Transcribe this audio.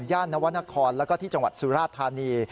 นวรรณครแล้วก็ที่จังหวัดสุราธานี